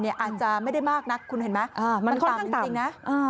อาจจะไม่ได้มากนักคุณเห็นไหมมันค่อนข้างจริงนะ